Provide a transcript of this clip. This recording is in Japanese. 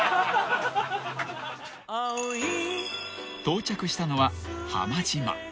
［到着したのは浜島］